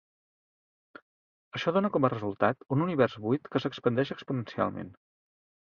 Això dóna com a resultat un univers buit que s'expandeix exponencialment.